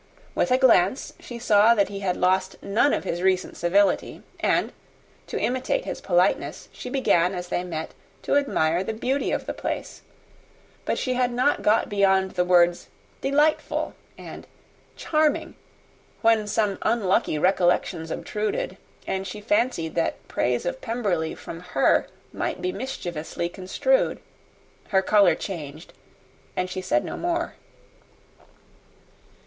With a glance she saw that he had lost none of his recent civility; and, to imitate his politeness, she began as they met to admire the beauty of the place; but she had not got beyond the words "delightful," and "charming," when some unlucky recollections obtruded, and she fancied that praise of Pemberley from her might be mischievously construed. Her colour changed, and she said no more.